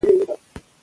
او جسماني هم -